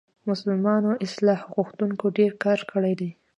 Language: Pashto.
مسلمانو اصلاح غوښتونکو ډېر کار کړی دی.